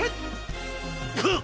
ハッ！